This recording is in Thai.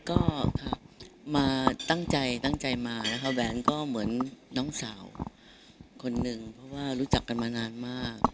ก็มาตั้งใจตั้งใจมานะคะแหวนก็เหมือนน้องสาวคนนึงเพราะว่ารู้จักกันมานานมาก